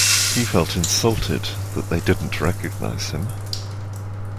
He felt insulted that they didn't recognise him.